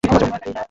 Aaron, ক্ষমা চাও।